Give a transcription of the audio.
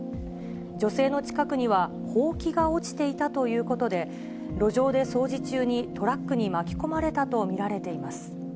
女性の近くには、ほうきが落ちていたということで、路上で掃除中にトラックに巻き込まれたと見られています。